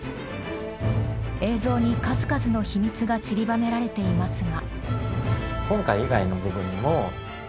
映像に数々の秘密がちりばめられていますが。